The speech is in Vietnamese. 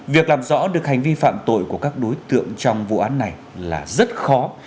việc làm rõ được hành vi phạm tội của các đối tượng trong vụ án này là rất khó